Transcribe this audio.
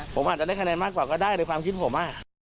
ผมอาจจะได้คะแนนมากกว่าก็ได้ในความคิดผม